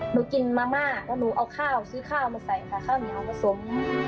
หนูกินมะม่าหนูเอาข้าวซื้อข้าวมาใส่ค่ะข้าวเหนียวมาส่ง